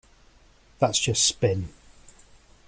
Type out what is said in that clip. That's just spin.